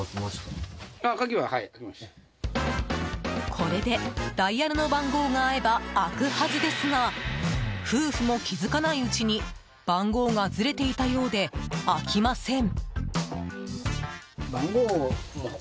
これでダイヤルの番号が合えば開くはずですが夫婦も気づかないうちに番号がずれていたようで開きません。